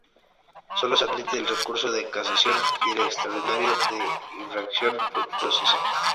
Sólo se admite el recurso de casación y el extraordinario de infracción procesal.